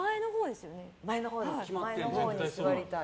前のほうに座りたい。